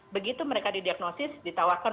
begitu mereka didiagnosis ditawarkan